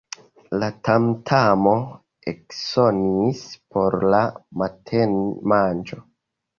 La tamtamo eksonis por la matenmanĝo.